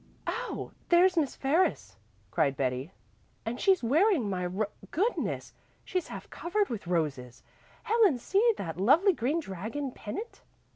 "Oh, there's Miss Ferris!" cried Betty, "and she's wearing my ro goodness, she's half covered with roses. Helen, see that lovely green dragon pennant!"